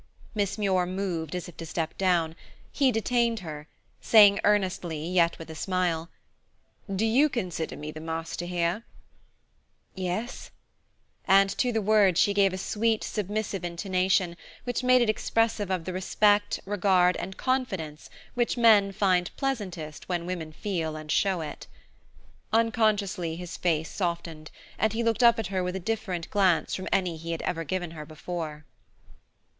Miss Muir moved as if to step down; he detained her, saying earnestly, yet with a smile, "Do you consider me the master here?" "Yes," and to the word she gave a sweet, submissive intonation which made it expressive of the respect, regard, and confidence which men find pleasantest when women feel and show it. Unconsciously his face softened, and he looked up at her with a different glance from any he had ever given her before.